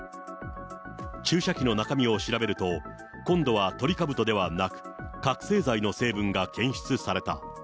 注射器の中身を調べると、今度はトリカブトではなく、覚醒剤の成分が検出された。